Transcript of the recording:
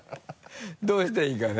どうしたらいいかね。